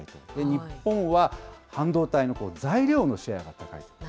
日本は半導体の材料のシェアが高い。